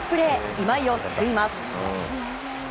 今井を救います。